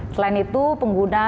selain itu pengguna